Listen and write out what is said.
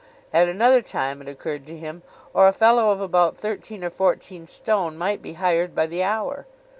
At another time it occurred to him, 'Or a fellow of about thirteen or fourteen stone might be hired by the hour.